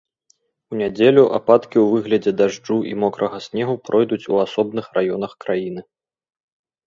У нядзелю ападкі ў выглядзе дажджу і мокрага снегу пройдуць у асобных раёнах краіны.